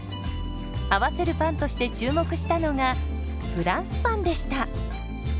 合わせるパンとして注目したのがフランスパンでした。